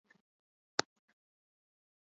まだまだ